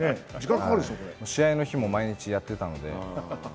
試合の日も毎日やってたので。